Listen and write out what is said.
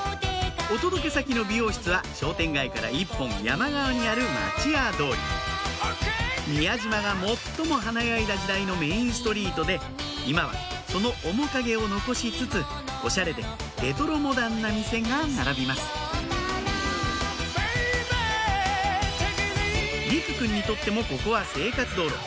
お届け先の美容室は商店街から１本山側にある町家通り宮島が最も華やいだ時代のメインストリートで今はその面影を残しつつおしゃれでレトロモダンな店が並びます莉来くんにとってもここは生活道路